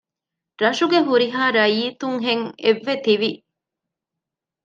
ރަށުގެ ހުރިހާ ރައްޔިތުންހެން އެއްވެ ތިވި